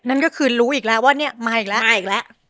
นั่นก็คือรู้อีกแล้วว่าเนี่ยมาอีกแล้วมาอีกแล้ว